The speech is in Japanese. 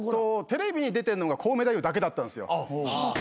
テレビに出てるのがコウメ太夫だけだったんですよ。